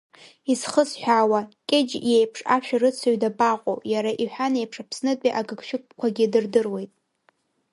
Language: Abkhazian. Изхысҳәаауа, Кьыџь иеиԥш ашәарыцаҩ дабаҟоу, иара иҳәан еиԥш, Аԥснытәи агыгшәыгқәагьы дырдыруеит…